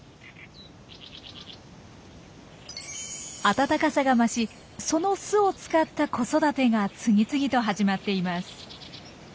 暖かさが増しその巣を使った子育てが次々と始まっています。